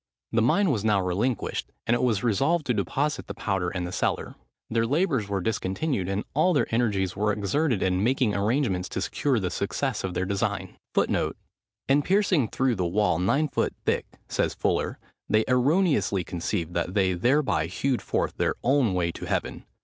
The mine was now relinquished; and it was resolved to deposit the powder in the cellar. Their labours were discontinued; and all their energies were exerted in making arrangements to secure the success of their design. [Footnote 9: "In piercing through the wall nine foot thick," says Fuller, "they erroneously conceived that they thereby hewed forth their own way to heaven.